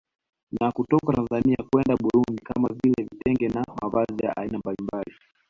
Na kutoka Tanzania kwenda Burundi kama vile Vitenge na mavazi ya aina mbalimbali